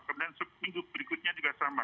kemudian seminggu berikutnya juga sama